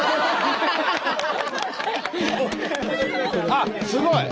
あっすごい！